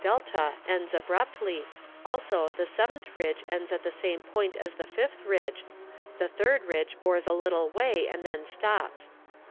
delta ends abruptly, also the seventh ridge ends at the same point as the fifth ridge, the third ridge bores a little way and then stops.